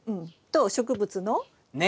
と植物の？